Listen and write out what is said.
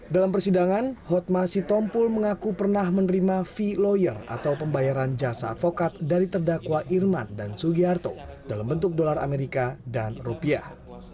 dalam persidangan hotma sitompul mengaku pernah menerima fee lawyer atau pembayaran jasa advokat dari terdakwa irman dan sugiharto dalam bentuk dolar amerika dan rupiah